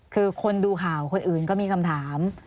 คือคนดูข่าวคนอื่นก็มีคำถาม